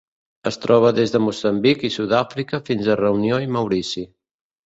Es troba des de Moçambic i Sud-àfrica fins a Reunió i Maurici.